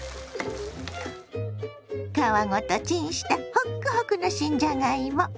皮ごとチンしたほっくほくの新じゃがいも。